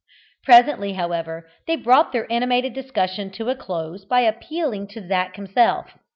Presently, however, they brought their animated discussion to a close by appealing to Zac himself.